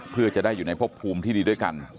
เพื่อจะได้อยู่ในพบภูมิที่ดีด้วยกัน